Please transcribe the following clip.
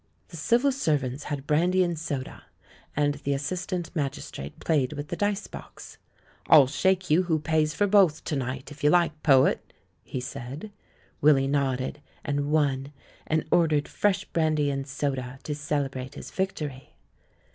The civil servants had brandy and soda, and the assistant magistrate played with the dice box. "I'll shake you who pays for both to night, if you like, poet," he said, Willy nodded, and won, and ordered fresh brandy and soda to celebrate his victory.